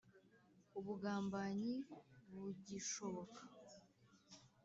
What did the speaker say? ubugambanyi bugishoboka.